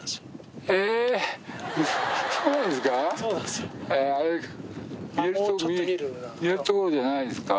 そうなんですよ。